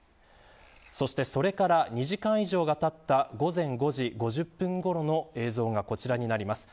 そして、それから２時間以上がたった午前５時５０分ごろの映像がこちらになります。